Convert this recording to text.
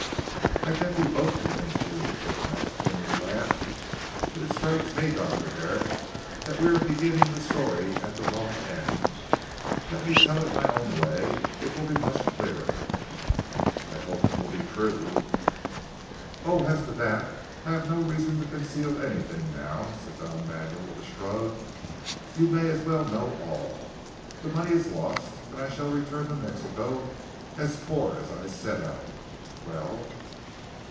"I think we both convinced you," said the Mexican with a laugh, "but it strikes me Dr. Herrick that we are beginning the story at the wrong end. Let me tell it in my own way. It will be much clearer." "I hope it will be true." "Oh, as to that I have no reason to conceal anything now," said Don Manuel with a shrug, "you may as well know all. The money is lost and I shall return to Mexico as poor as I set out. Well?"